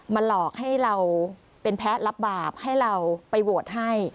หลอกให้เราเป็นแพ้รับบาปให้เราไปโหวตให้